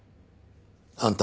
あんた